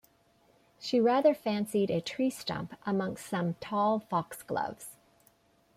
She rather fancied a tree-stump amongst some tall foxgloves.